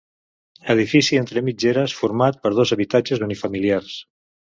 Edifici entre mitgeres format per dos habitatges unifamiliars.